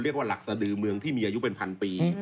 เรียกว่าหลักสดือเมืองที่มีอายุเป็นพันปี